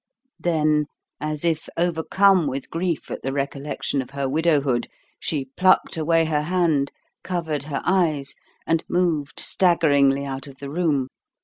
Then, as if overcome with grief at the recollection of her widowhood, she plucked away her hand, covered her eyes, and moved staggeringly out of the room.